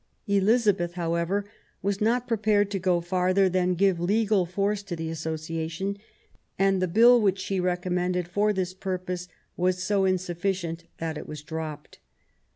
Elizabeth, however, was not prepared to go farther than give legal force to the Association, and the Bill which she recom mended for this purpose was so insufficient that it was dropped.